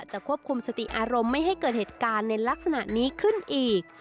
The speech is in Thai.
ควบคุมสติอารมณ์ไม่ให้เกิดเหตุการณ์ในลักษณะนี้ขึ้นอีก